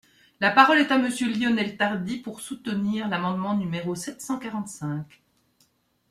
La parole est à Monsieur Lionel Tardy, pour soutenir l’amendement numéro sept cent quarante-cinq.